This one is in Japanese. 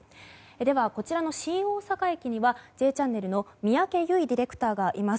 では、新大阪駅に「Ｊチャンネル」の三宅優衣ディレクターがいます。